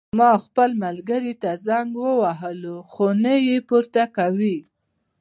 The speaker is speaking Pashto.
ما خپل ملګري ته زنګ ووهلو خو نه یې پورته کوی